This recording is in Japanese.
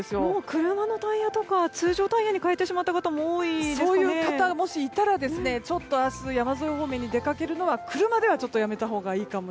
車のタイヤとか通常タイヤに替えてしまった方もそういう方もしいたら明日は山沿い方面に出かけるのは車ではやめたほうがいいです。